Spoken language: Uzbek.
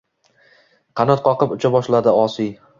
Qanot qoqib ucha boshladi osiy…